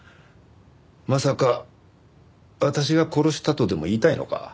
まさか私が殺したとでも言いたいのか？